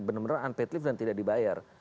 benar benar unpaid leave dan tidak dibayar